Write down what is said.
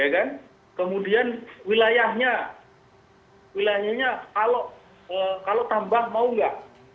ya kan kemudian wilayahnya wilayahnya kalau tambah mau nggak